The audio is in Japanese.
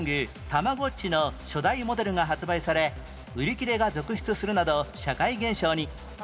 たまごっちの初代モデルが発売され売り切れが続出するなど社会現象に